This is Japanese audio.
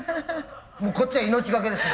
もうこっちは命懸けです。